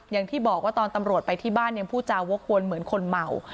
อย่างที่บอกว่าตอนตำรวจไปที่บ้านยังพูดจาวกวนเหมือนคนเมา